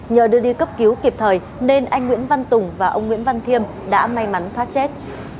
nhờ đưa đi cấp cứu kịp thời nên anh nguyễn văn tùng và ông nguyễn văn thiêm đã may mắn thoát chết